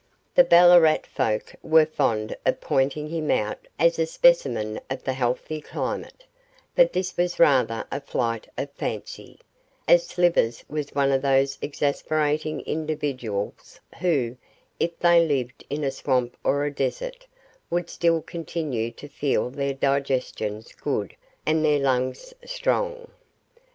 The Ballarat folk were fond of pointing him out as a specimen of the healthy climate, but this was rather a flight of fancy, as Slivers was one of those exasperating individuals who, if they lived in a swamp or a desert, would still continue to feel their digestions good and their lungs strong.